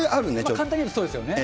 簡単に言うとそうですね。